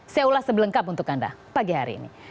saya ulas sebelengkap untuk anda pagi hari ini